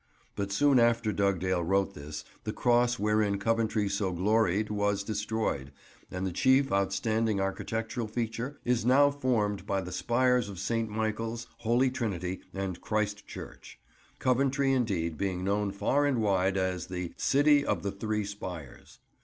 But soon after Dugdale wrote this the Cross wherein Coventry so gloried was destroyed, and the chief outstanding architectural feature is now formed by the spires of St. Michael's, Holy Trinity, and Christ Church: Coventry indeed being known far and wide as the "City of the Three Spires."